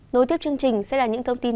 nối tiếp chương trình sẽ là những thông tin